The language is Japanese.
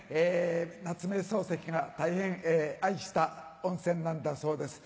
夏目漱石が大変愛した温泉なんだそうです。